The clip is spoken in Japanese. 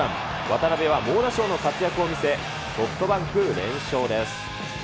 渡邉は猛打賞の活躍を見せ、ソフトバンク連勝です。